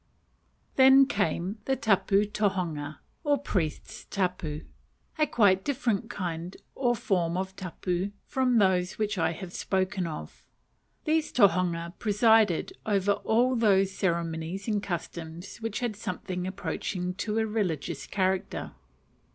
Then came the tapu tohunga, or priest's tapu, a quite different kind or form of tapu from those which I have spoken of. These tohunga presided over all those ceremonies and customs which had something approaching to a religious character.